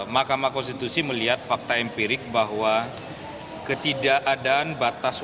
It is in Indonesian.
mahkamah konstitusi melihat fakta empirik bahwa ketidakadaan batas usia